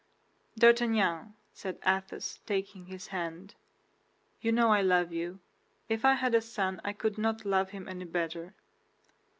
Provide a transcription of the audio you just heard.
"D'Artagnan," said Athos, taking his hand, "you know I love you; if I had a son I could not love him better.